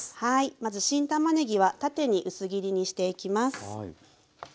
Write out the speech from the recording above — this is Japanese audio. まず新たまねぎは縦に薄切りにしていきます。